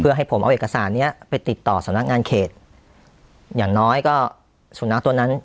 ให้ผมเอาเอกสารเนี้ยไปติดต่อสำนักงานเขตอย่างน้อยก็สุนัขตัวนั้น